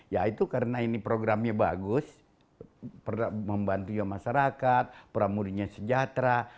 ya itu karena ini programnya bagus membantunya masyarakat pramudinya sejahtera